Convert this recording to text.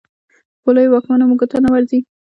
په لویو واکمنو مو ګوته نه ورځي.